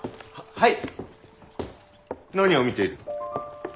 はい。